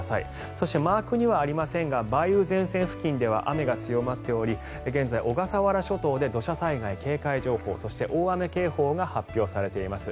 そして、マークにはありませんが梅雨前線付近では雨が強まっており現在、小笠原諸島付近で土砂災害警戒情報そして大雨警報が発表されています。